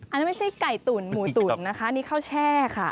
อันนี้ไม่ใช่ไก่ตุ๋นหมูตุ๋นนะคะอันนี้ข้าวแช่ค่ะ